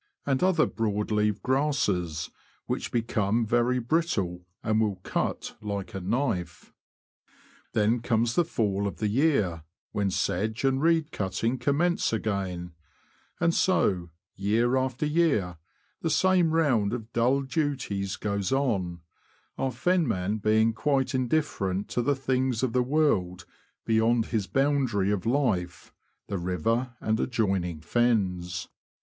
215 and other broad leaved grasses, which become very brittle, and will cut like a knife. Then comes the fall of the year, when sedge and reed cutting commence again ; and so, year after year, the same round of dull duties goes on, our fen man being quite indifferent to the things of the world beyond his boundary of life — the river and adjoin ing fens.